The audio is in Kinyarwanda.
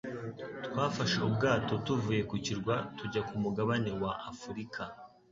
Twafashe ubwato tuvuye ku kirwa tujya ku mugabane wa Afurika.